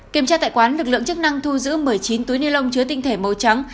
kiểm tra tại quán lực lượng chức năng thu giữ một mươi chín túi ni lông chứa tinh thể màu trắng